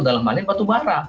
dalam hal ini batu bara